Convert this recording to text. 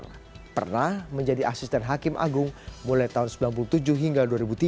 yang pernah menjadi asisten hakim agung mulai tahun seribu sembilan ratus sembilan puluh tujuh hingga dua ribu tiga